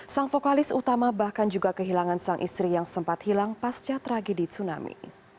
sang vokalis utama bahkan juga kehilangan sang istri yang sempat hilang pasca tragedi tsunami